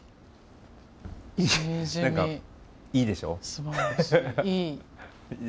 すばらしいいい！